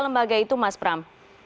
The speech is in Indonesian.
apakah itu mas pram